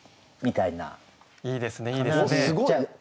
いいですねいいですね。